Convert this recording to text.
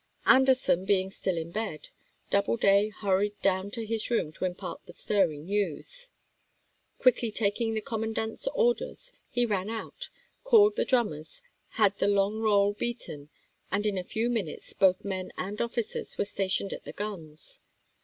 Anderson being still in bed, Doubleday hurried down to his room to impart the stirring news. Quickly taking the commandant's orders, he ran out, called the drummers, had the long roll beaten, and in a few minutes both men and officers were stationed at the guns.